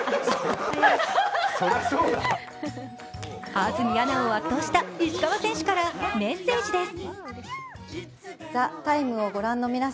安住アナを圧倒した石川選手からメッセージです。